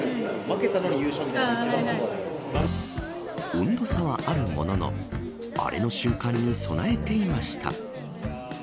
温度差はあるもののアレの瞬間に備えていました。